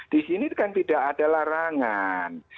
di sini kan tidak ada larangan